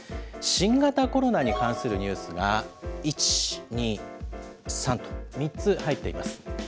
新型コロナに関するニュースが１、２、３と、３つ入っています。